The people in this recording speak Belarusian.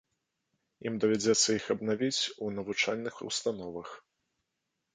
Ім давядзецца іх абнавіць у навучальных установах.